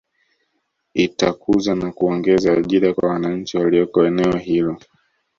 Itakuza na kuongeza ajira kwa wananchi walioko eneo hilo